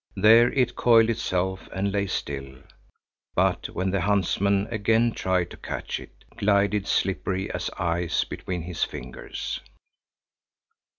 There it coiled itself and lay still; but when the huntsman again tried to catch it, glided slippery as ice between his fingers.